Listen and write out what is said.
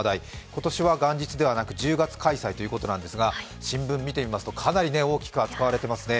今年は元日ではなく１０月開催ということですが、新聞見てみますとかなり大きく扱われていますね。